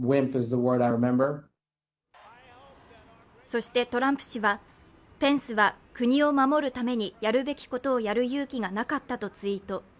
そしてトランプ氏はペンスは国を守るためにやるべきことをやる勇気がなかったとツイート。